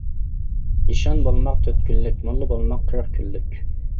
ئىشان بولماق تۆت كۈنلۈك، موللا بولماق قىرىق كۈنلۈك.